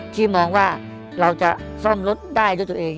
ที่มองว่าเราจะซ่อมรถได้ด้วยตัวเอง